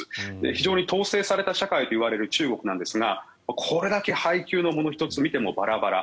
非常に統制された社会といわれる中国なんですがこれだけ配給のもの１つ見てもバラバラ。